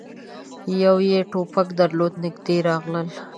يوه يې ټوپک درلود. نږدې راغلل،